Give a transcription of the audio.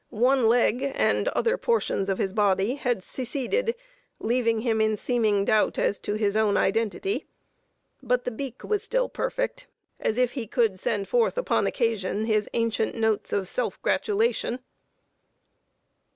One leg and other portions of his body had seceded, leaving him in seeming doubt as to his own identity; but the beak was still perfect, as if he could send forth upon occasion his ancient notes of self gratulation.